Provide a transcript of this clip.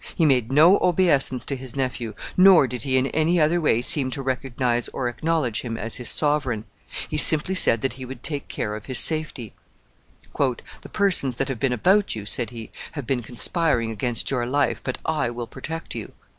He made no obeisance to his nephew, nor did he in any other way seem to recognize or acknowledge him as his sovereign. He simply said that he would take care of his safety. "The persons that have been about you," said he, "have been conspiring against your life, but I will protect you."